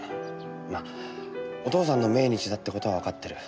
お父さんの命日だって事はわかってる。